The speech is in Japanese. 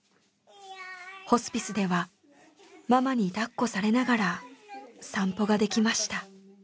ホスピスではママに抱っこされながら散歩ができました。